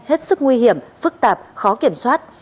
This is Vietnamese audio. hết sức nguy hiểm phức tạp khó kiểm soát